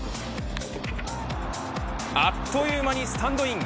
あっという間にスタンドイン。